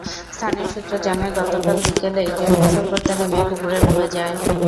স্থানীয় সূত্র জানায়, গতকাল বিকেলে একজন গোসল করতে নেমে পুকুরে ডুবে যায়।